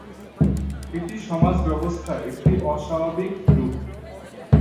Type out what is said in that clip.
এটি সমাজ ব্যবস্থার একটি ‘স্বাভাবিক’ রূপ।